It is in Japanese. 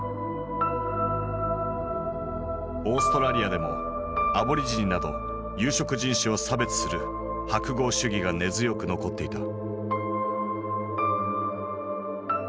オーストラリアでもアボリジニなど有色人種を差別する白豪主義が根強く残っていた。